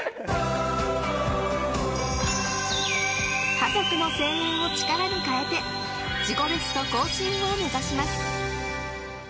家族の声援を力に変えて自己ベスト更新を目指します。